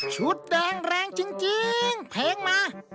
แดงแรงจริงเพลงมา